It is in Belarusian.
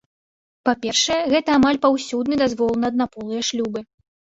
Па-першае, гэта амаль паўсюдны дазвол на аднаполыя шлюбы.